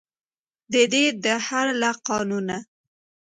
ددې دهر له قانونه.